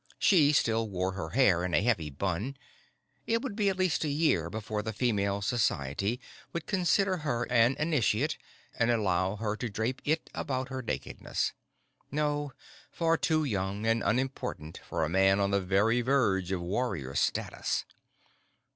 She still wore her hair in a heavy bun: it would be at least a year before the Female Society would consider her an initiate and allow her to drape it about her nakedness. No, far too young and unimportant for a man on the very verge of warrior status.